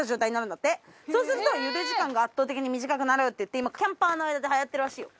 そうすると茹で時間が圧倒的に短くなるっていって今キャンパーの間ではやってるらしいよ。